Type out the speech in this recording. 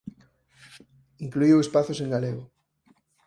Incluíu espazos en galego.